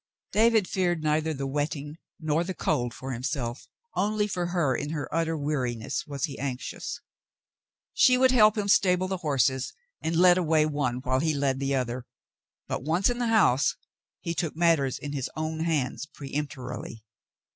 David feared neither the wetting nor the cold for him self ; only for her in her utter weariness was he anxious. She would help him stable the horses and led away one while he led the other, but once in the house he took matters in his own hands peremptorily.